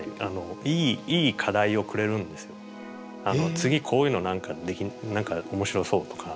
次こういうの何か面白そうとか。